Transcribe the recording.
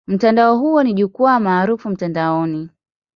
Mtandao huo ni jukwaa maarufu mtandaoni.